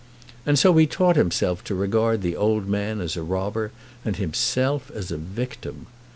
And so he taught himself to regard the old man as a robber and himself as a victim.